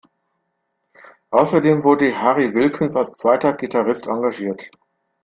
Außerdem wurde Harry Wilkens als zweiter Gitarrist engagiert.